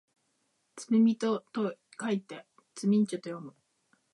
罪人と書いてつみんちゅと読む